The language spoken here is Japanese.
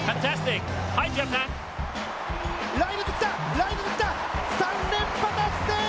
ライルズきた、３連覇達成！